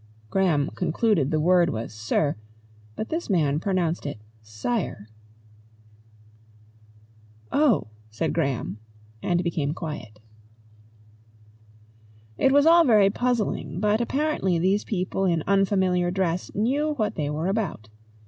(Graham concluded the word was sir, but this man pronounced it "Sire.") "Oh!" said Graham, and became quiet. It was all very puzzling, but apparently these people in unfamiliar dress knew what they were about.